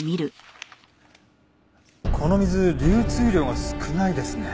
この水流通量が少ないですね。